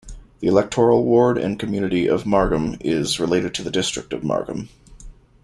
The electoral ward and community of Margam is related to the district of Margam.